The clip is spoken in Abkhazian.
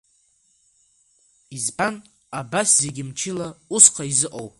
Избан абас зегьы мчыла усха изыҟоу?!